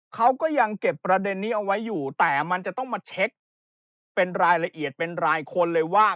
เขาก็ยังเก็บประเด็นนี้เอาไว้อยู่แต่มันจะต้องมาเช็คเป็นรายละเอียดเป็นรายคนเลยว่า